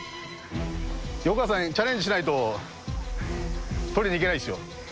横川さんチャレンジしないと取りに行けないですよ。